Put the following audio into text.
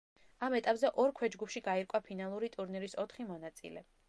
ამ ეტაპზე ორ ქვეჯგუფში გაირკვა ფინალური ტურნირის ოთხი მონაწილე.